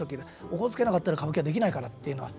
おこつけなかったら歌舞伎はできないから」っていうのは。